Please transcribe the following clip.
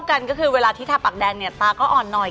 กันก็คือเวลาที่ทาปากแดงเนี่ยตาก็อ่อนหน่อย